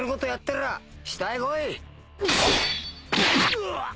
うわっ！